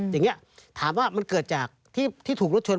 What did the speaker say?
อย่างนี้ถามว่ามันเกิดจากที่ถูกรถชน